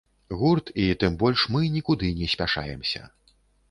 Гурт і, тым больш, мы нікуды не спяшаемся.